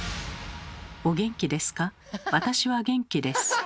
「お元気ですか私は元気です」。